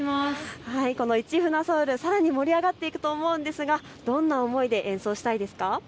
市船ｓｏｕｌ、さらに盛り上がっていくと思うのですがどんな思いで演奏したいですか。